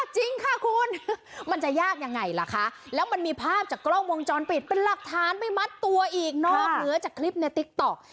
จริงค่ะคุณมันจะยากยังไงล่ะคะแล้วมันมีภาพจากกล้องวงจรปิดเป็นหลักฐานไปมัดตัวอีกนอกเหนือจากคลิปในติ๊กต๊อก